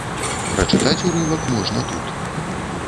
Прачытаць урывак можна тут.